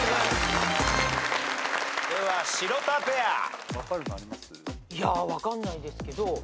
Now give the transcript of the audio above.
いや分かんないですけど